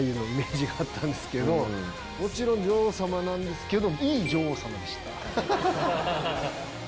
もちろん女王様なんですけど。